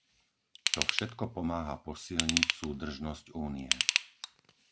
To všetko pomáha posilniť súdržnosť Únie.